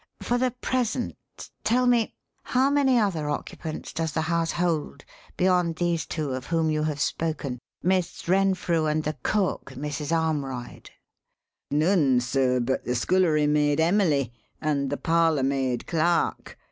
For the present, tell me: how many other occupants does the house hold beyond these two of whom you have spoken Miss Renfrew and the cook, Mrs. Armroyd?" "None, sir, but the scullery maid, Emily, and the parlour maid, Clark.